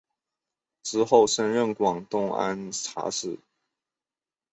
之后升任广东按察使。